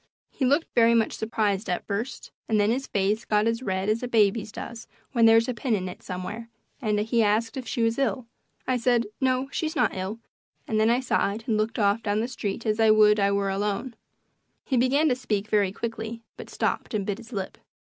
He looked very much surprised at first, and then his face got as red as a baby's does when there's a pin in it somewhere, and he asked if she was ill. I said, "No, she is not ill," and then I sighed and looked off down the street as if I would I were alone. He began to speak very quickly, but stopped and bit his lip.